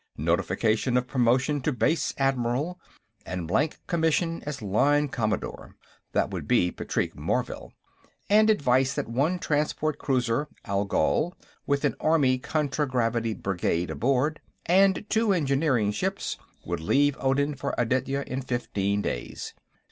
Notification of promotion to base admiral, and blank commission as line commodore; that would be Patrique Morvill. And advice that one transport cruiser, Algol, with an Army contragravity brigade aboard, and two engineering ships, would leave Odin for Aditya in fifteen days.